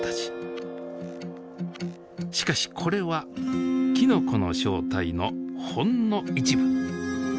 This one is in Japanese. しかしこれはきのこの正体のほんの一部。